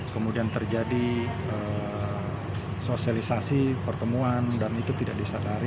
kemudian terjadi sosialisasi pertemuan dan itu tidak disadari